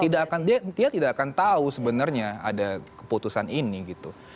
dia tidak akan tahu sebenarnya ada keputusan ini gitu